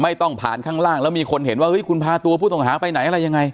ไม่ต้องผ่านข้างล่างแล้วมีคนเห็นว่าเฮ้ยคุณพาตัวผู้ต้องหาไปไหนอะไรยังไง